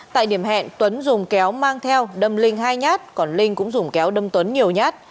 tại điểm hẹn tuấn dùng kéo mang theo đâm linh hai nhát còn linh cũng dùng kéo đâm tuấn nhiều nhát